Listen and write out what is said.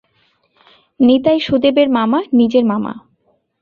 নিতাই সুদেবের মামা, নিজের মামা।